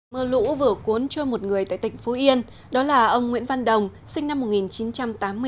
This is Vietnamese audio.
mưa lũ vừa cuốn trôi một người tại tỉnh phú yên đó là ông nguyễn văn đồng sinh năm một nghìn chín trăm tám mươi bốn